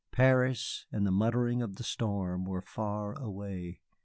Paris and the muttering of the storm were far away.